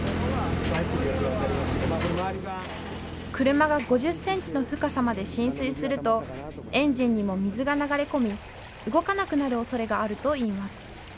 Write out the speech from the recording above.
車が５０ｃｍの深さまで浸水するとエンジンにも水が流れ込み動かなくなる恐れがあるといいます。